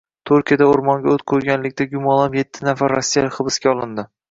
Turkiyada o‘rmonga o‘t qo‘yganlikda gumonlanib, yettinafar rossiyalik hibsga olindi